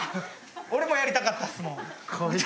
俺もやりたかったっすもん。